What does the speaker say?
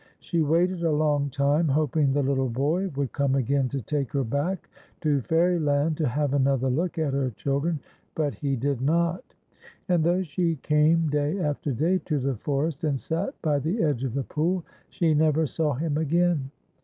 She waited a long time, hoping the little boy would come again to take her back to Fairyland to have another look at her chil dren ; but he did not ; and though she came day after day to the forest, and sat by the edge of the pool, she never saw him again.